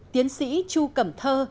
tiến sĩ chu cẩm thơ